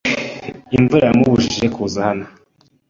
Imvura yamubujije kuza hano.